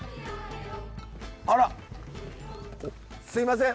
あらすいません。